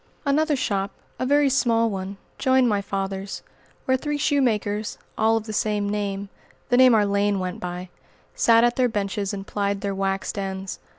Another shop a very small one joined my father's, where three shoemakers, all of the same name the name our lane went by sat at their benches and plied their "waxed ends."